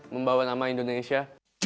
membawa nama indonesia